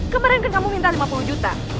kemarin kan kamu minta lima puluh juta